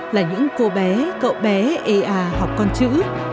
là những cô bé cậu bé ê à học con chữ